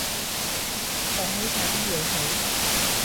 放好晒啲嘢佢